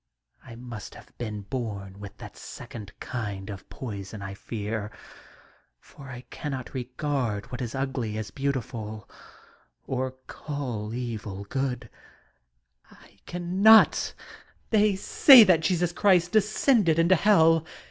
I must have been bom with that second kind of poison, I fear, for I cannot re gard what is ugly as beautiful, or call evil good — ^I cannot [^ They say that Jesus Christ descended into hell.